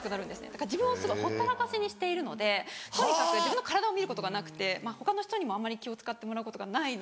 だから自分をすごいほったらかしにしているのでとにかく自分の体を見ることがなくて他の人にもあんまり気を使ってもらうことがないので。